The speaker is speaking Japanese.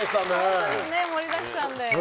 ホントですね盛りだくさんで。